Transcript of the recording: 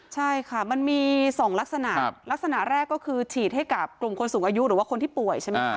ใช่ค่ะมันมี๒ลักษณะลักษณะแรกก็คือฉีดให้กับกลุ่มคนสูงอายุหรือว่าคนที่ป่วยใช่ไหมคะ